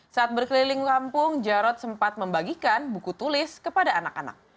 saat berkeliling kampung jarod sempat membagikan buku tulis kepada anak anak